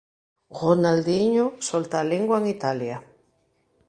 Ronaldinho solta a lingua en Italia